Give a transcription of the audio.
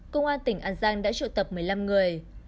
công an tỉnh an giang đã triệu tập một mươi năm người